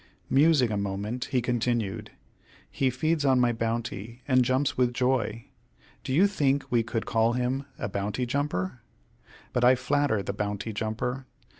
Musing a moment, he continued: "He feeds on my bounty, and jumps with joy. Do you think we could call him a bounty jumper? But I flatter the bounty jumper.